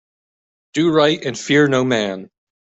Do right and fear no man.